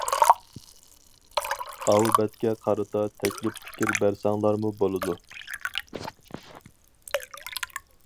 ئاۋۇ بەتكە قارىتا تەكلىپ پىكىر بەرسەڭلارمۇ بولىدۇ.